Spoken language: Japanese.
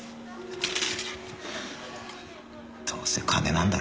どうせ金なんだろ。